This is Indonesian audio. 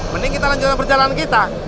mending kita lanjutkan perjalanan kita